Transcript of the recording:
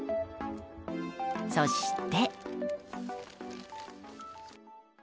そして。